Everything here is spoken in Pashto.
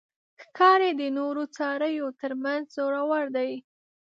ښکاري د نورو څارویو تر منځ زړور دی.